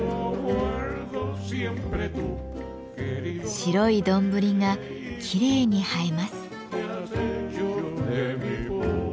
白い丼がきれいに映えます。